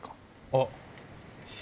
あっ。